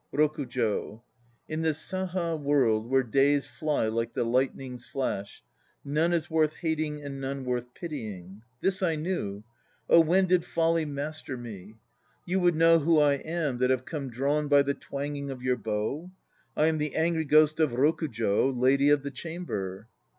ROKUJO. In this Saha World 4 where days fly like the lightning's flash None is worth hating and none worth pitying. This I knew. Oh when did folly master me? You would know who I am that have come drawn by the twanging of your bow? I am the angry ghost of Rokujo, Lady of the Chamber.